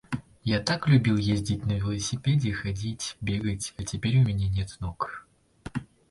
Я так любил ездить на велосипеде, ходить, бегать, а теперь у меня нет ног.